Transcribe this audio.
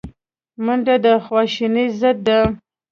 منډه د خواشینۍ ضد ده